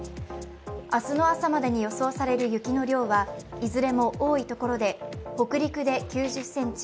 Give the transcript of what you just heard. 明日の朝までに予想される雪の量はいずれも多い所で北陸で９０ｃｍ